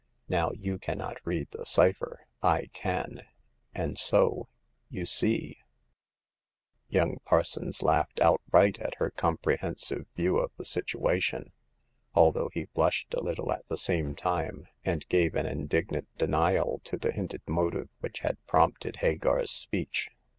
Now you cannot read the cypher ; I can ; and so — ^you see !" Young Parsons laughed outright at her com prehensive view of the situation, although he blushed a little at the same time, and gave an indignant denial to the hinted motive which prompted Hagar's speech.